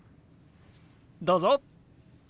どうぞ！